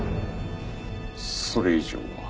それ以上は。